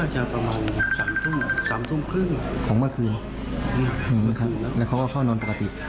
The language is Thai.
จะประมาณ๓ทุ่ม๓ทุ่มครึ่งของเมื่อคืนแล้วเขาก็เข้านอนปกติ